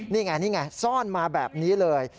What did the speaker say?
นี่ไงนี่ไงซ่อนมาแบบนี้เลย